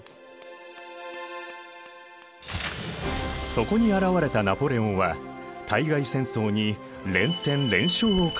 そこに現れたナポレオンは対外戦争に連戦連勝を重ねた。